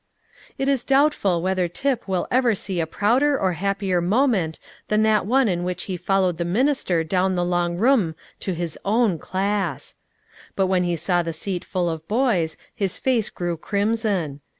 It is doubtful whether Tip will ever see a prouder or happier moment than that one in which he followed the minister down the long room to his own class. But when he saw the seat full of boys, his face grew crimson.